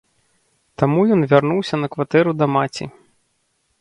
Таму ён вярнуўся на кватэру да маці.